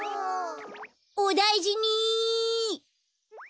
おだいじに。